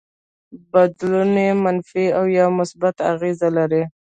بدلون يې منفي او يا مثبت اغېز لري.